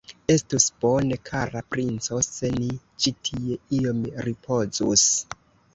Estus bone, kara princo, se ni ĉi tie iom ripozus.